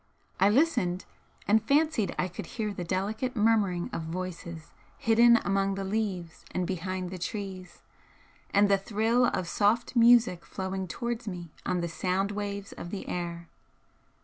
I listened, and fancied I could hear the delicate murmuring of voices hidden among the leaves and behind the trees, and the thrill of soft music flowing towards me on the sound waves of the air.